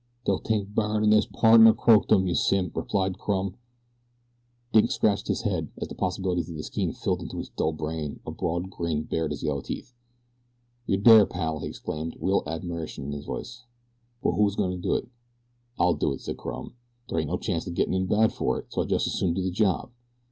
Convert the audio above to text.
"Dey'll tink Byrne an' his pardner croaked 'em, you simp," replied Crumb. Dink scratched his head, and as the possibilities of the scheme filtered into his dull brain a broad grin bared his yellow teeth. "You're dere, pal," he exclaimed, real admiration in his tone. "But who's goin' to do it?" "I'll do it," said Crumb. "Dere ain't no chanct of gettin' in bad for it, so I jest as soon do the job.